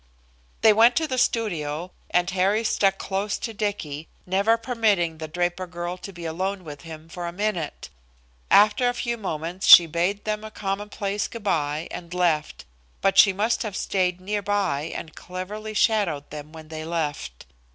"They went to the studio, and Harry stuck close to Dicky, never permitting the Draper girl to be alone with him for a minute. After a few moments she bade them a commonplace goodby and left, but she must have stayed near by and cleverly shadowed them when they left.